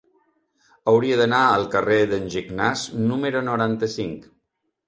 Hauria d'anar al carrer d'en Gignàs número noranta-cinc.